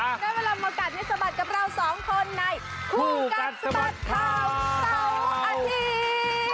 ได้เวลามากัดให้สะบัดกับเราสองคนในคู่กัดสะบัดข่าวเสาร์อาทิตย์